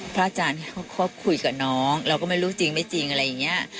พระอาจารย์เขาก็คุยกับน้องเราก็ไม่รู้จริงไม่จริงอะไรอย่างนี้